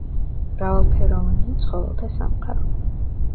მრავალფეროვანია ცხოველთა სამყარო.